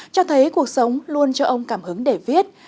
cho thấy cuộc sống luôn cho ông cảm hứng để viết